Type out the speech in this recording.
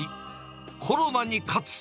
コロナに勝つ！